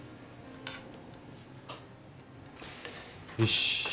よし。